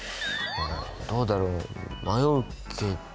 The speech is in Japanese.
どうだろう迷うけど